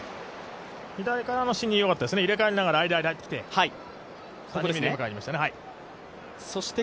左からのよかったですね、入れ替えながら右に、右に入っていって。